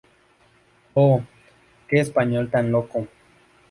¡ oh!... ¡ qué español tan loco!